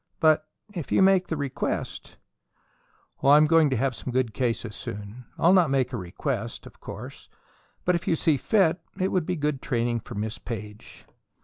But, if you make the request " "I am going to have some good cases soon. I'll not make a request, of course; but, if you see fit, it would be good training for Miss Page."